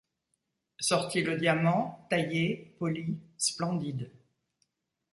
Sortit le diamant, taillé, poli, splendide